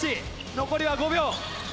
残りは５秒。